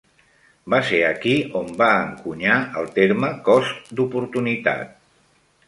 Va ser aquí on va encunyar el terme cost d'oportunitat.